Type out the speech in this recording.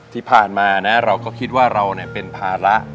ที่ผ่านมานะเราก็คิดว่าเราเป็นภาระ